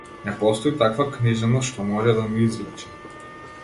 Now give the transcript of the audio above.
Не постои таква книжевност што може да ме извлече.